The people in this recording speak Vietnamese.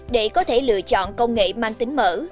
để có thể lựa chọn công nghệ mang tính mở